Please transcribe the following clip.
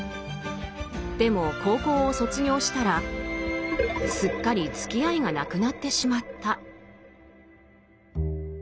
でも高校を卒業したらすっかりつきあいがなくなってしまった。